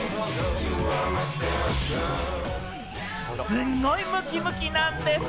すんごいムキムキなんです！